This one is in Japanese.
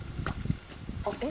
「あっえっ？」